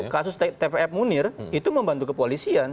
kasus tpf munir itu membantu kepolisian